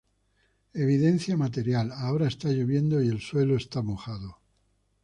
Evidencia material: "Ahora está lloviendo y el suelo está mojado".